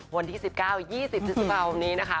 วันที่๑๙๒๐๒๔วันนี้นะคะ